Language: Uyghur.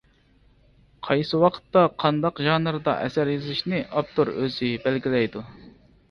قايسى ۋاقىتتا قانداق ژانىردا ئەسەر يېزىشنى ئاپتور ئۆزى بەلگىلەيدۇ.